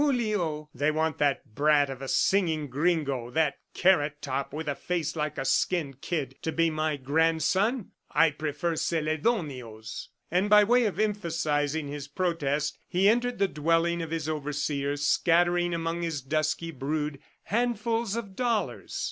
Julio!" "They want that brat of a singing gringo, that carrot top with a face like a skinned kid to be my grandson? ... I prefer Celedonio's." And by way of emphasizing his protest, he entered the dwelling of his overseer, scattering among his dusky brood handfuls of dollars.